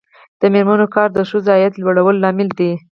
د میرمنو کار د ښځو عاید لوړولو لامل دی.